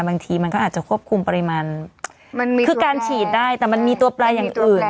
บางทีมันก็อาจจะควบคุมปริมาณคือการฉีดได้แต่มันมีตัวแปลอย่างอื่น